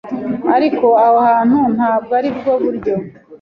ariko aho hantu ntabwo aribwo buryo